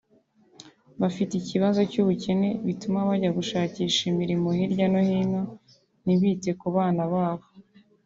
Bafite ikibazo cy’ ubukene butuma bajya gushakisha imirimo hirya no hino ntibite ku bana babo”